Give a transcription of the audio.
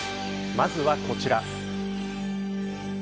まずはこちら。